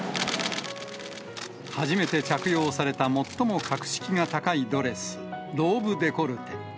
初めて着用された最も格式が高いドレス、ローブデコルテ。